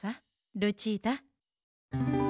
ルチータ。